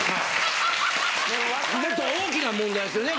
もっと大きな問題ですよね。